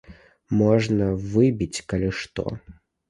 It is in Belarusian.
Можна выбіць, калі што.